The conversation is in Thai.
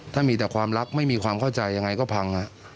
ถ้ามีแต่ความรักไม่มีความเข้าใจยังไงก็พัง